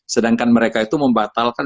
sedangkan mereka itu membatalkan